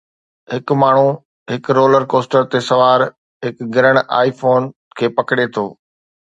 هڪ ماڻهو هڪ رولر ڪوسٽر تي سوار هڪ گرڻ آئي فون کي پڪڙي ٿو